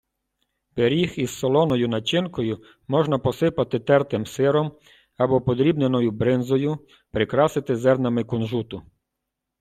Пиріг із солоною начинкою можна посипати тертим сиром або подрібненою бринзою, прикрасити зернами кунжуту.